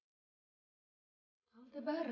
mas aku mau ke kamar